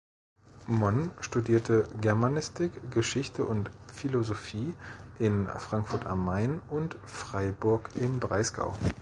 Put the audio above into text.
Mon studierte Germanistik, Geschichte und Philosophie in Frankfurt am Main und Freiburg im Breisgau.